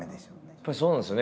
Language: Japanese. やっぱりそうなんですよね。